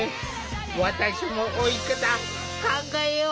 私も老い方考えよう。